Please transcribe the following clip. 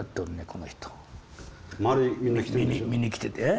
この人見に来てて。